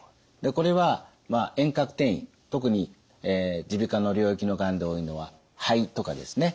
これは遠隔転移特に耳鼻科の領域のがんで多いのは肺とかですね。